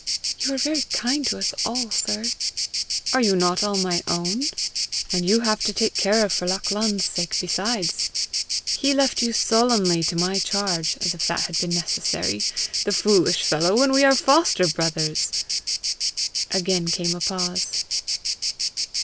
"You are very kind to us all, sir." "Are you not all my own! And you have to take care of for Lachlan's sake besides. He left you solemnly to my charge as if that had been necessary, the foolish fellow, when we are foster brothers!" Again came a pause.